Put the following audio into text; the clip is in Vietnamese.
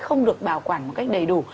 không được bảo quản một cách đầy đủ